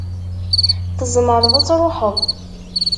Tzemreḍ ad tṛuḥeḍ.